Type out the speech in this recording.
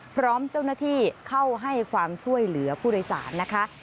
พร้อมเจ้าหน้าที่เข้าให้ความช่วยเหลือผู้โดยสารนะคะ